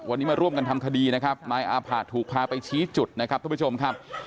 วันนี้มาร่วมกันทำคดีนะครับนายอาผะถูกพาไปชี้จุดนะครับทุกผู้ชมครับ